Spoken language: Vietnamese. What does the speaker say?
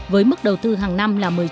với mức đầu tư hàng năm là